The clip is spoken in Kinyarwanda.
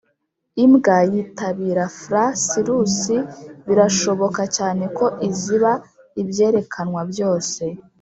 imbwa yitabira fla sirus birashoboka cyane ko iziba ibyerekanwa byose